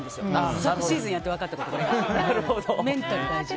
昨シーズンやって分かったことメンタル大事。